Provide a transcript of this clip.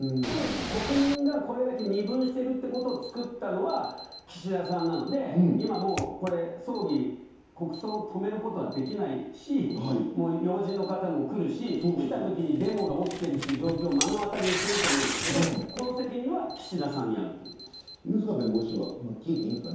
国民が二分していることをつくったのは岸田さんなので国葬を止めることはできないし要人の方も来るし来たときにデモが起きている状況を目の当たりにすると思うんですけれど、この責任は岸田さんにあると思うんです。